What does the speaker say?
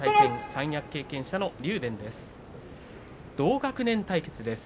三役経験者の竜電です。